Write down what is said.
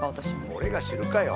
俺が知るかよ。